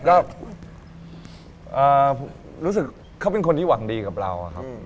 ก็รู้สึกเขาเป็นคนที่หวังดีกับเราครับ